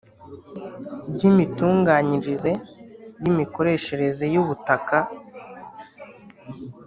by imitunganyirize y imikoreshereze y ubutaka